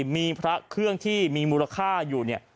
มีพระเครื่องที่มีมูลค่าอยู่เนี่ย